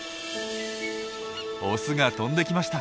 オスが飛んできました。